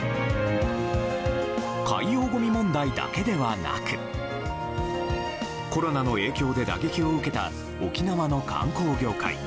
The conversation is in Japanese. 海洋ごみ問題だけではなくコロナの影響で打撃を受けた沖縄の観光業界。